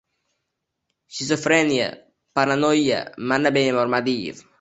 Shizofreniya! Paranoyya! Mana, bemor Madiev...